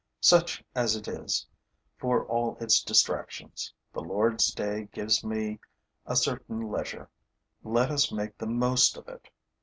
Such as it is, for all its distractions, the Lord's day gives me a certain leisure. Let us make the most of it.